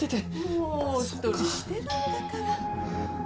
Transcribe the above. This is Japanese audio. もうおっとりしてるんだから。